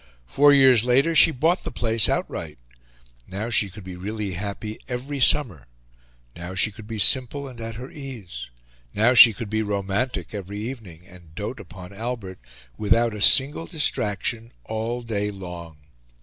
Four years later she bought the place outright. Now she could be really happy every summer; now she could be simple and at her ease; now she could be romantic every evening, and dote upon Albert, without a single distraction, all day long.